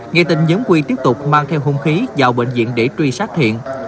nghe tin nhóm quy tiếp tục mang theo hung khí vào bệnh viện để truy sát thiện